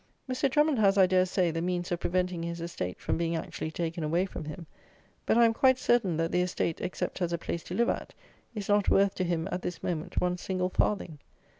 Mr. Drummond has, I dare say, the means of preventing his estate from being actually taken away from him; but I am quite certain that that estate, except as a place to live at, is not worth to him, at this moment, one single farthing.